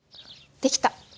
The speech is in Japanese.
できた！